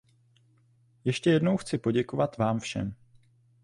Ještě jednou chci poděkovat vám všem.